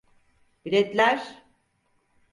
Biletler.